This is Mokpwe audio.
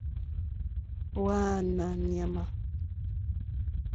Hwánáá ɲàmà.